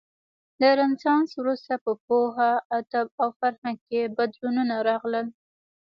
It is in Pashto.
له رنسانس وروسته په پوهه، ادب او فرهنګ کې بدلونونه راغلل.